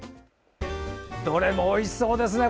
どれもおいしそうですね。